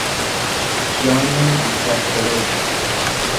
جانی بد سرشت